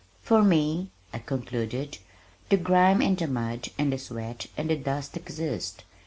For me," I concluded, "the grime and the mud and the sweat and the dust exist.